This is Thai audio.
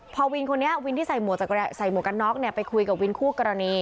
พอวินคนนี้วินที่ใส่หมวกกันน็อกเนี่ยไปคุยกับวินคู่กรณี